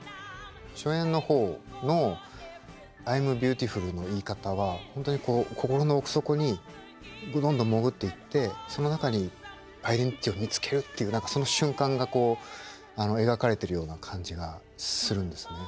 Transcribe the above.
初演の方の「アイムビューティフル」の言い方は本当にこう心の奥底にどんどん潜っていってその中にアイデンティティーを見つけるっていうその瞬間がこう描かれてるような感じがするんですね。